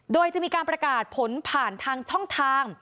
โดยจะมีการประกาศผลผ่านทางช่องทาง